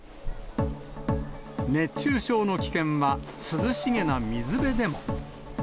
熱中症の危険は涼しげな水辺でも。